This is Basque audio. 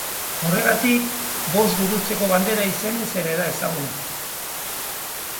Horregatik, Bost Gurutzeko bandera izenez ere da ezaguna.